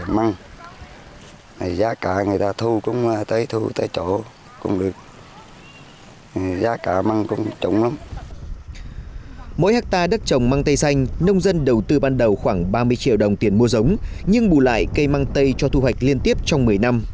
mỗi hectare đất trồng măng tây xanh nông dân đầu tư ban đầu khoảng ba mươi triệu đồng tiền mua giống nhưng bù lại cây mang tây cho thu hoạch liên tiếp trong một mươi năm